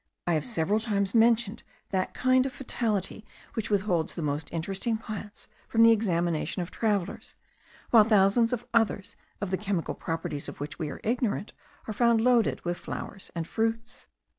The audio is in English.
I have several times mentioned that kind of fatality which withholds the most interesting plants from the examination of travellers, while thousands of others, of the chemical properties of which we are ignorant, are found loaded with flowers and fruits.